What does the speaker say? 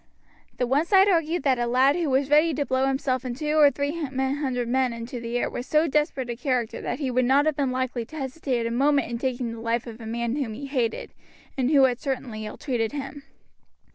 The one side argued that a lad who was ready to blow himself and two or three hundred men into the air was so desperate a character that he would not have been likely to hesitate a moment in taking the life of a man whom he hated, and who had certainly ill treated him.